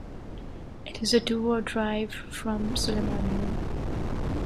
It is a two-hour drive from Sulaimaniyah.